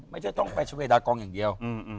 ไม่ใช่ต้องไปชาเวดากองอย่างเดียว